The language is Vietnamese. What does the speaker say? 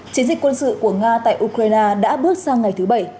chiến dịch quân sự của nga tại ukraine đã bước sang ngày thứ bảy